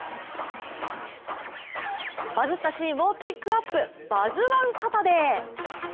バズったシーンをピックアップ、「バズ☆１」サタデー。